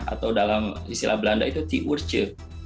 atau dalam istilah belanda itu tea urcha